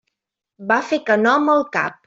Va fer que no amb el cap.